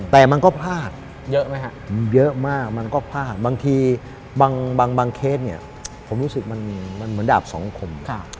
แต่มันก็พลาดเยอะไหมครับเยอะมากมันก็พลาดบางทีบางเคสเนี่ยผมรู้สึกมันเหมือนดาบสองคม